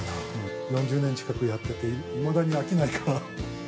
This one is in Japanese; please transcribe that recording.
４０年近くやってていまだに飽きないから。